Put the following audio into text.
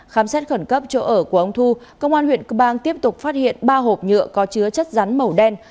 khám xét khẩn cấp chỗ ở của ông thu công an huyện cơ bang tiếp tục phát hiện ba hộp nhựa có chứa chất rắn màu đen